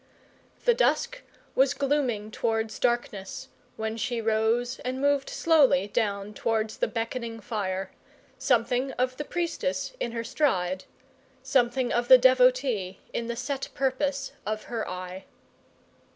The dusk was glooming towards darkness when she rose and moved slowly down towards the beckoning fire; something of the priestess in her stride, something of the devotee in the set purpose of her eye.